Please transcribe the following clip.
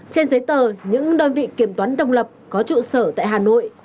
trên giấy tờ những đơn vị kiểm toán độc lập có trụ sở tại hà nội